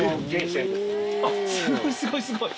あっすごいすごい！